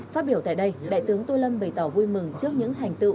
phát biểu tại đây đại tướng tô lâm bày tỏ vui mừng trước những hành tự